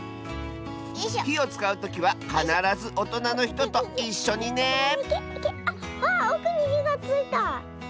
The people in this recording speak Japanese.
ひをつかうときはかならずおとなのひとといっしょにねあっわおくにひがついた。